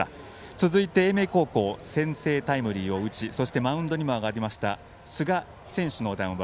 続いて、英明高校の先制タイムリーを打ちそしてマウンドにも上がりました寿賀選手の談話。